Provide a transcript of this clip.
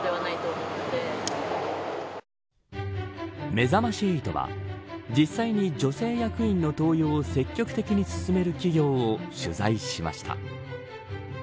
めざまし８は実際に女性役員の登用を積極的に進める企業を取材しました。